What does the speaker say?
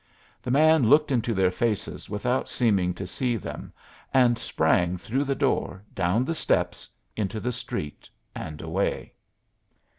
The man looked into their faces without seeming to see them and sprang through the door, down the steps, into the street, and away.